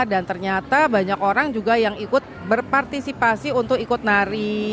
dan ternyata banyak orang juga yang ikut berpartisipasi untuk ikut nari